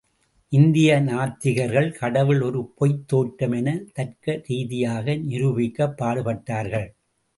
இந்திய நாத்திகர்கள் கடவுள் ஒரு பொய்த் தோற்றம் என தர்க்க ரீதியாக நிரூபிக்கப் பாடுபட்டார்கள்.